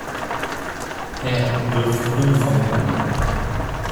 Herr, wirf Hirn vom Himmel!